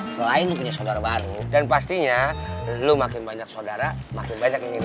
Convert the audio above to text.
selain lo punya sodara baru dan pastinya lo makin banyak sodara makin banyak yang ngirim